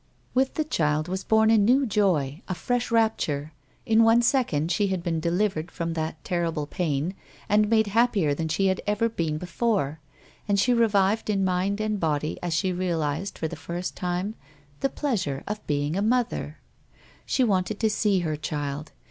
With the child was born a new joy, a fresh rapture. In one second she had been delivered from that terrible pain and made happier than she had ever been before, and she revived in mind and body as she realised, for the first time, the pleasure of being a mother. She wanted to see her child.